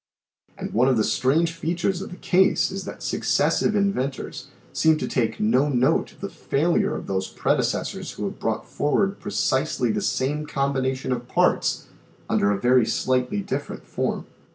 And one of the strange features of the case is that successive inventors seem to take no note of the failure of those predecessors who have brought forward precisely the same combination of parts under a very slightly different form.